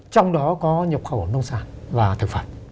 trong đó có nhập khẩu nông sản và thực phẩm